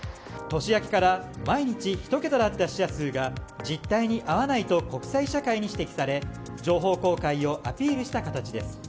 年明けから毎日１桁だった死者数が実態に合わないと国際社会に指摘され情報公開をアピールした形です。